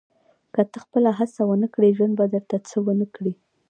• که ته خپله هڅه ونه کړې، ژوند به درته څه ونه کړي.